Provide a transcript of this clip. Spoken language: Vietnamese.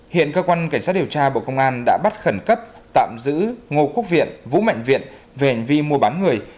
hiện cơ quan cảnh sát điều tra bộ công an đã bắt khẩn cấp tạm giữ ngô quốc viện vũ mạnh viện về hành vi mua bán người